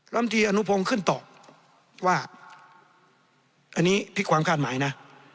แล้วที่อภงขึ้นต่อว่าอันนี้พลิกความคาดหมายนะ